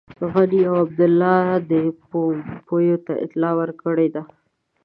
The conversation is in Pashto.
غني او عبدالله پومپیو ته اطلاع ورکړې ده.